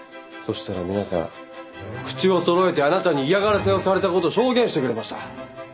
そしたら皆さん口をそろえてあなたに嫌がらせをされたこと証言してくれました。